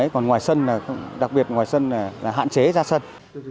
còn ngoài sân là đặc biệt ngoài sân là hạn chế ra sân